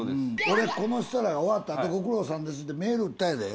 俺この人らが終わったあと「ご苦労さんです」ってメール打ったんやで。